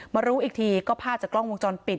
รู้อีกทีก็ภาพจากกล้องวงจรปิด